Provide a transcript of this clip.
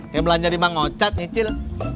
ya belanja di bang ocat cicil